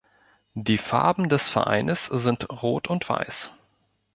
Die Farben des Vereines sind Rot und Weiß.